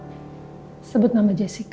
ya mama sebut nama jessica